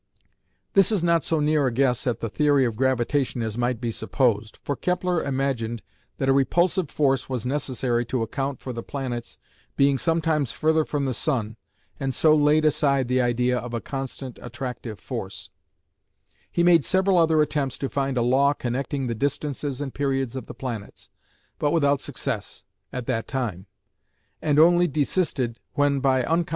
This is not so near a guess at the theory of gravitation as might be supposed, for Kepler imagined that a repulsive force was necessary to account for the planets being sometimes further from the sun, and so laid aside the idea of a constant attractive force. He made several other attempts to find a law connecting the distances and periods of the planets, but without success at that time, and only desisted when by unconsciously arguing in a circle he appeared to get the same result from two totally different hypotheses.